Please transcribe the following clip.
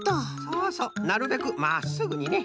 そうそうなるべくまっすぐにね。